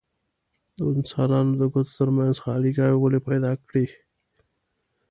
د انسانانو د ګوتو ترمنځ خاليګاوې ولې پیدا کړي؟